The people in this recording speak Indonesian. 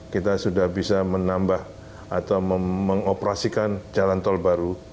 dua ribu tujuh belas kita sudah bisa menambah atau mengoperasikan jalan tol baru